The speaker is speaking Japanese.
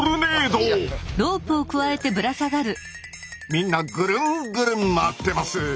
みんなぐるんぐるん回ってます！